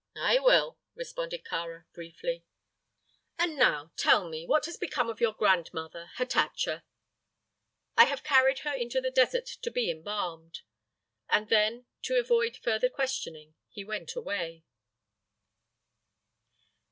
"I will," responded Kāra, briefly. "And now, tell me, what has become of your grandmother, Hatatcha?" "I have carried her into the desert to be embalmed." And then, to avoid further questioning, he went away.